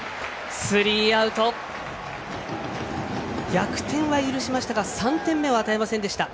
逆転は許しましたが３点目は与えませんでした。